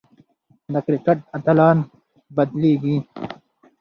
د کرکټ اتلان بدلېږي.